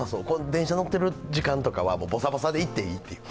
電車乗ってる時間とかはボサボサで行っていい。